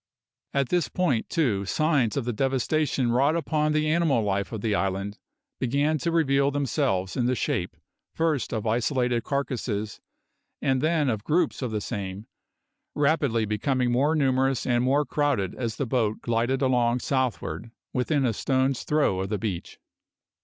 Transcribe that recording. At this point, too, signs of the devastation wrought upon the animal life of the island began to reveal themselves in the shape first of isolated carcasses, and then of groups of the same, rapidly becoming more numerous and more crowded as the boat glided along southward within a stone's throw of the beach.